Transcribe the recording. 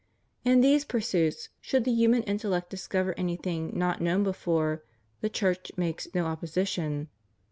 In these pursuits, should the human intellect discover anything not known before, the Church makes no opposition.